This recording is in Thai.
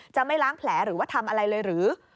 จะไม่ล้างแผลหรือว่าทำอะไรเลยหรือ